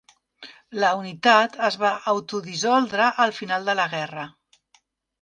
La unitat es va autodissoldre al final de la guerra.